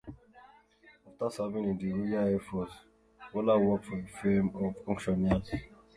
After serving in the Royal Air Force, Waller worked for a firm of auctioneers.